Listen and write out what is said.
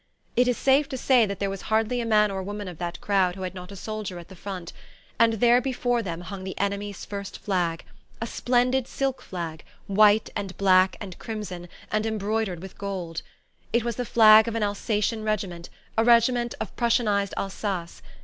It is safe to say that there was hardly a man or woman of that crowd who had not a soldier at the front; and there before them hung the enemy's first flag a splendid silk flag, white and black and crimson, and embroidered in gold. It was the flag of an Alsatian regiment a regiment of Prussianized Alsace.